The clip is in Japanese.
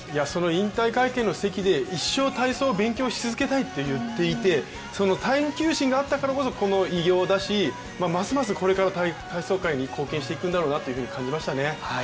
その引退会見の席で一生体操を勉強し続けたいと言っていてその探究心があったからこそのこの偉業だし、ますますこれから体操界に貢献していくんだろうなというふうに感じましたね。